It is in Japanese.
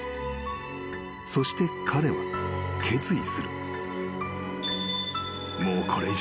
［そして彼は決意する］